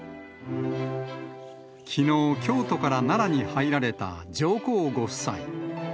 きのう、京都から奈良に入られた上皇ご夫妻。